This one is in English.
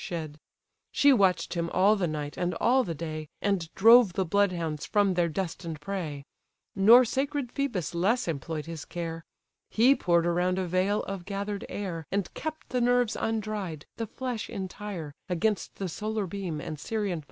shed: She watch'd him all the night and all the day, And drove the bloodhounds from their destined prey. Nor sacred Phœbus less employ'd his care; He pour'd around a veil of gather'd air, And kept the nerves undried, the flesh entire, Against the solar beam and Sirian fire.